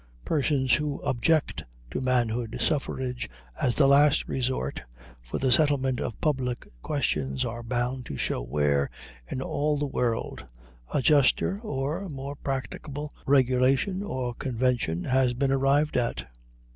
Persons who object to manhood suffrage as the last resort for the settlement of public questions are bound to show where, in all the world, a juster or more practicable regulation or convention has been arrived at.